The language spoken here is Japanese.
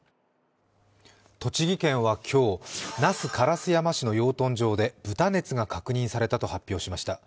栃木県は今日、那須烏山市の養豚場で豚熱が確認されたと発表しました。